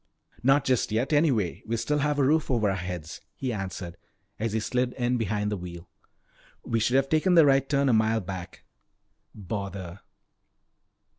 "Not just yet anyway we still have a roof over our heads," he answered as he slid in behind the wheel. "We should have taken the right turn a mile back." "Bother!"